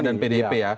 dan pdp ya